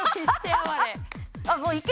ああもういけ！